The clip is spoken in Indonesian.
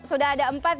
sudah ada empat